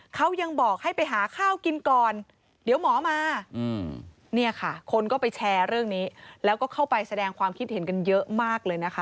เขายังบอกให้ไปหาข้าวกินก่อนเดี๋ยวหมอมา